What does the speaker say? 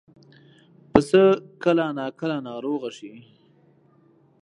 پسه کله ناکله ناروغه شي.